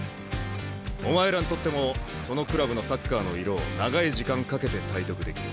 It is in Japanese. お前らにとってもそのクラブのサッカーのイロを長い時間かけて体得できる。